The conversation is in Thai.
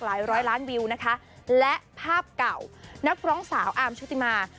ร้อยล้านวิวนะคะและภาพเก่านักร้องสาวอาร์มชุติมา